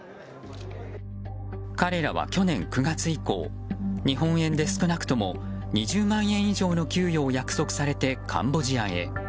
彼らは去年９月以降日本円で少なくとも２０万円以上の給与を約束されてカンボジアへ。